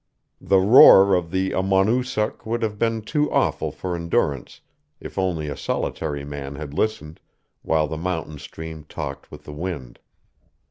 The roar of the Amonoosuck would have been too awful for endurance if only a solitary man had listened, while the mountain stream talked with the wind.